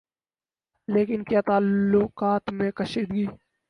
لیکن کیا تعلقات میں کشیدگی